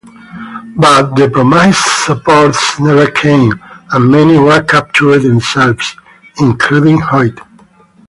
But the promised supports never came and many were captured themselves, including Hoyt.